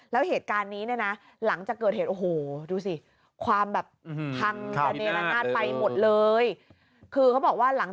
เกิดการนี้นะนะหลังจากเกิดเหตุโอโหดูสิความแบบทั้งไปหมดเลยคือเขาบอกว่าหลัง